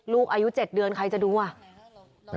ลูกอายุ๗เดือนใครจะดูอ่ะ